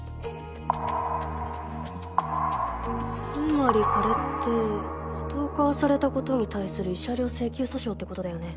つまりこれってストーカーされたことに対する慰謝料請求訴訟ってことだよね？